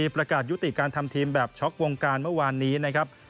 ประกาศยุติการทำทีมแบบช็อกวงการเมื่อวานนี้นะครับ